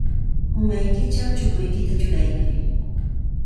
Umaykićhaw chukuykita churaykuy.